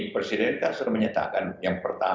presiden itu sudah menyatakan yang pertama